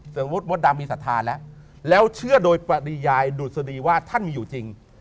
สมมุติมดดำมีศรัทธาแล้วแล้วเชื่อโดยปริยายดุษฎีว่าท่านมีอยู่จริง